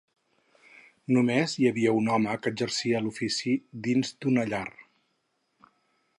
Només hi havia un home que exercia l'ofici dins d'una llar.